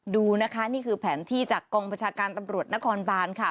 ดูนะคะนี่คือแผนที่จากกองประชาการตำรวจนครบานค่ะ